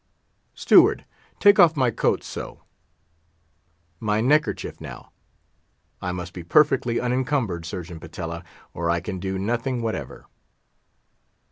Steward, take off my coat—so; my neckerchief now; I must be perfectly unencumbered, Surgeon Patella, or I can do nothing whatever."